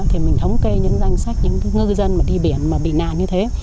thì mình thống kê những danh sách những ngư dân mà đi biển mà bị nàn như thế